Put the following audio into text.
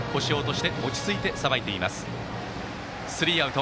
スリーアウト。